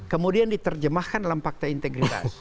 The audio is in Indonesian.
kemudian diterjemahkan dalam fakta integritas